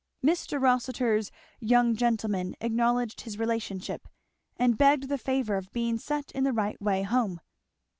Mr. Rossitur's young gentleman acknowledged his relationship and begged the favour of being set in the right way home.